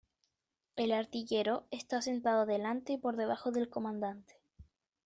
El artillero está sentado delante y por debajo del comandante.